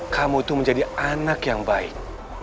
kamu itu menjadi anak yang baik